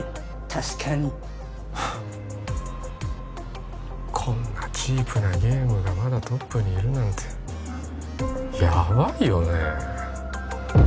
確かにはあこんなチープなゲームがまだトップにいるなんてヤバイよね